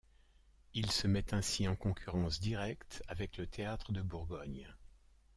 Il se met ainsi en concurrence directe avec le Théâtre de Bourgogne.